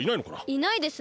いないですね。